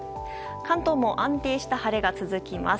関東も安定した晴れが続きます。